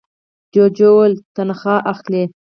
جوجو وویل تنخوا اخلې؟